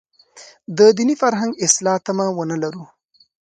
د دیني فرهنګ اصلاح تمه ونه لرو.